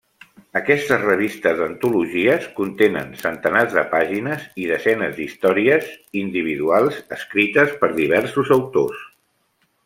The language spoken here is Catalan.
Aquestes revistes d'antologies contenen centenars de pàgines i desenes d'històries individuals escrites per diversos autors.